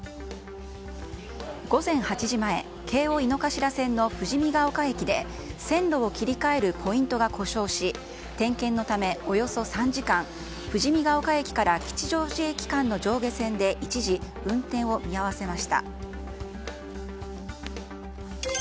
午前８時前、京王井の頭線の富士見ヶ丘駅で線路を切り替えるポイントが故障し点検のため、およそ３時間富士見ヶ丘駅から吉祥寺駅間の上下線で一時、運転を見合わせました。